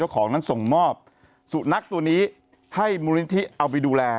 ของนั้นส่งมอบสุนัขตัวนี้ให้มูลนิธิเอาไปดูแล